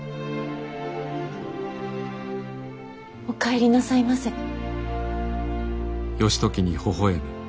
お帰りなさいませ。